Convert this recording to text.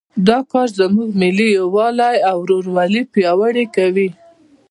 دا کار زموږ ملي یووالی او ورورولي پیاوړی کوي